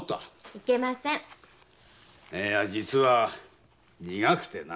いや実は苦くてな。